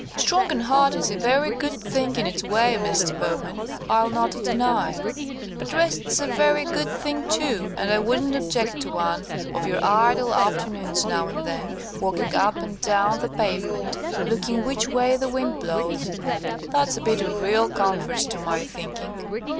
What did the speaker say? "Strong and hearty's a very good thing in its way, Mr. Bowman, I'll not deny; but rest's a very good thing, too, and I wouldn't object to one of your idle afternoons now and then, walking up and down the pavement, looking which way the wind blows. That's a bit of real comfort, to my thinking."